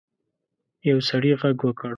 یو سړي غږ وکړ.